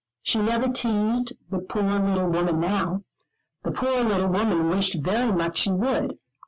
She never teased the poor little woman now; the poor little woman wished very much she would.